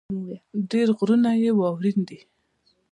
ډېر غرونه يې واؤرين دي ـ